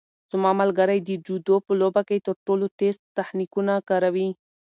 زما ملګری د جودو په لوبه کې تر ټولو تېز تخنیکونه کاروي.